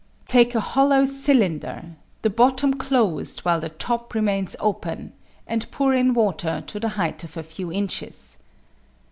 Take a hollow cylinder, the bottom closed while the top remains open, and pour in water to the height of a few inches.